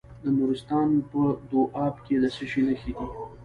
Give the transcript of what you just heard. د نورستان په دو اب کې د څه شي نښې دي؟